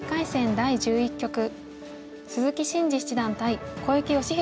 第１１局鈴木伸二七段対小池芳弘